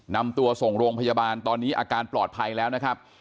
นำตัวส่งโรงพยาบาลตอนนี้อาการปลอดภัยแล้วนะครับ